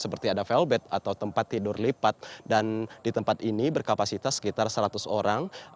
seperti ada felbet atau tempat tidur lipat dan di tempat ini berkapasitas sekitar seratus orang